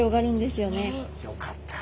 よかった。